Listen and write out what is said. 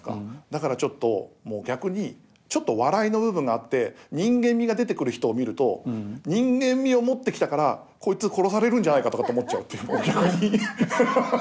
だからちょっと逆にちょっと笑いの部分があって人間味が出てくる人を見ると人間味を持ってきたからこいつ殺されるんじゃないかとかって思っちゃうっていう。